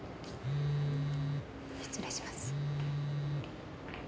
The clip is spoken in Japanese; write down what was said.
失礼します。